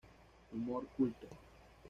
Humor culto.